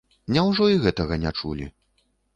Няўжо і гэтага не чулі?